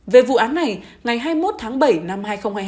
về vụ án này ngày hai mươi một tháng bảy năm hai nghìn hai mươi hai